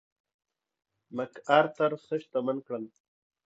مک ارتر ښه شتمن کړل.